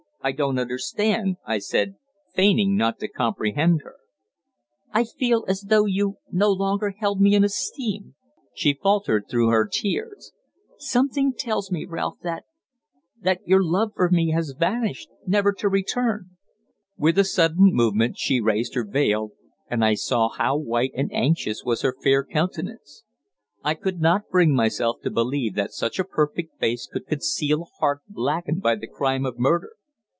I don't understand," I said, feigning not to comprehend her. "I feel as though you no longer hold me in esteem," she faltered through her tears. "Something tells me, Ralph, that that your love for me has vanished, never to return!" With a sudden movement she raised her veil, and I saw how white and anxious was her fair countenance. I could not bring myself to believe that such a perfect face could conceal a heart blackened by the crime of murder.